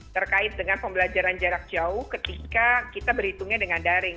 terkait dengan pembelajaran jarak jauh ketika kita berhitungnya dengan daring